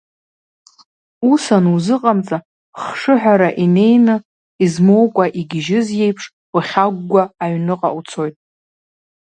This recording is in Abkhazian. Ус анузыҟамҵа хшыҳәара инеины измоукәа игьежьыз иеиԥш, ухьагәгәа аҩныҟа уцоит.